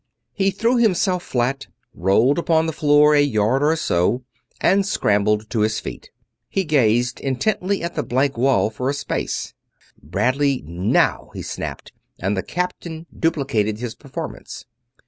He threw himself flat, rolled upon the floor a yard or so, and scrambled to his feet. He gazed intently at the blank wall for a space. "Bradley now!" he snapped, and the captain duplicated his performance.